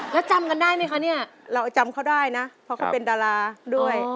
แล้วจำกันได้ไหมคะเนี่ยเราจำเขาได้นะเพราะเขาเป็นดาราด้วย